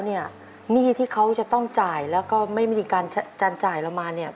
หนี้ที่เขาจะต้องจ่ายแล้วก็ไม่มีการจ่ายเรามาเนี่ย